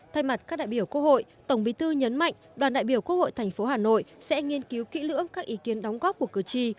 thay mặt các đại biểu quốc hội tổng bí thư nhấn mạnh đoàn đại biểu quốc hội tp hà nội sẽ nghiên cứu kỹ lưỡng các ý kiến đóng góp của cử tri